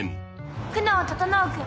「久能整君